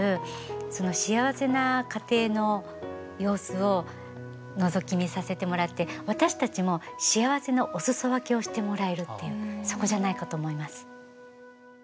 その幸せな家庭の様子をのぞき見させてもらって私たちも幸せのお裾分けをしてもらえるっていうそこじゃないかと思います。